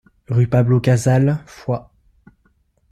Rue Pablo Casals, Foix